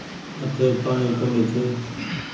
اٺي پآڻيٚ ڪونيٚ ڇي۔